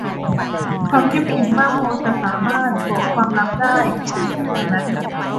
ความเข้มแข็งมากพอจะสามารถบอกความลับได้ ฉันคิดอย่างนั้น